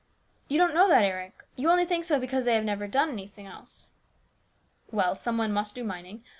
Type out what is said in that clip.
" You don't know that, Eric ; you only think so because they never have done anything else." " Well, some one must do mining.